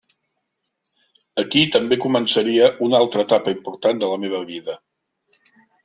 Aquí també començaria una altra etapa important de la meva vida.